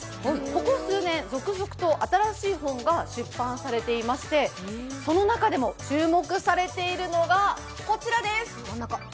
ここ数年、続々と新しい本が出版されていまして、その中でも注目されているのが、こちらです。